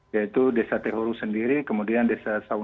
yaitu desa tehuru sendiri kemudian desa saunulu dan desa yaputi